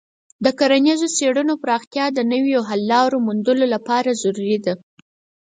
د کرنیزو څیړنو پراختیا د نویو حل لارو موندلو لپاره ضروري ده.